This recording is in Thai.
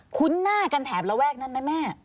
ุ้นหน้ากันแถบระแวกนั้นไหมแม่